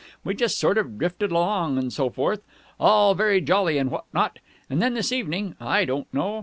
We just sort of drifted along and so forth. All very jolly and what not. And then this evening I don't know.